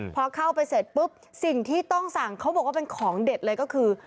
พอเข้าไปเสร็จปุ๊บสิ่งที่ต้องสั่งเขาบอกว่าเป็นของเด็ดเลยก็คือ